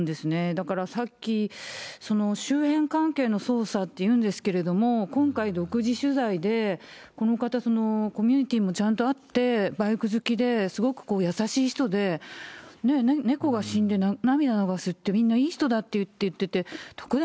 だからさっき周辺関係の捜査っていうんですけれども、今回独自取材で、この方、コミュニティもちゃんとあって、バイク好きですごく優しい人で、猫が死んで涙流すって、みんないい人だって言っていて、特段